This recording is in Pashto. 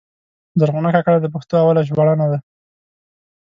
زرغونه کاکړه د پښتو اوله ژباړنه ده.